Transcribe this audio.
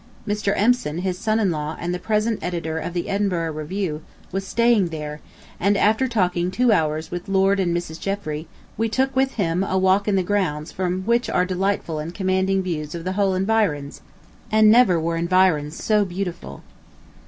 Mr. Empson, his son in law and the president editor of the Edinburgh Review, was staying there, and after talking two hours with Lord and Mrs. Jeffrey we took with him a walk in the grounds from which are delightful and commanding views of the whole environs, and never were environs so beautiful.